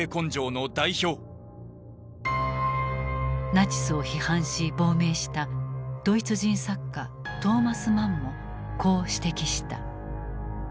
ナチスを批判し亡命したドイツ人作家トーマス・マンもこう指摘した。